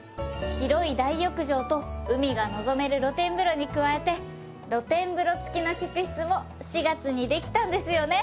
広い大浴場と海がのぞめる露天風呂に加えて露天風呂付きの客室も４月にできたんですよね。